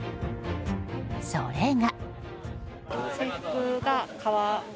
それが。